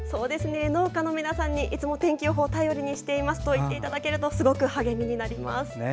農家の皆さんにいつも天気予報を頼りにしていますと言っていただけるとすごく励みになります。